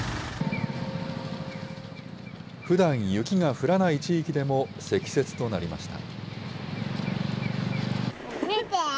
ふだん雪が降らない地域でも積雪となりました。